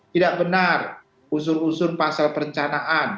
tidak benar usur usur pasal perencanaan